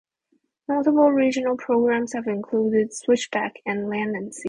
Notable regional programs have included "Switchback", and "Land and Sea".